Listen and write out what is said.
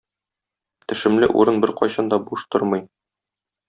Төшемле урын беркайчан да буш тормый.